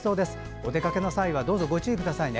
お出かけの際はどうぞご注意くださいね。